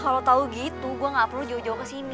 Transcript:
kalo talu gitu gua nggak perlu jauh jauh ke sini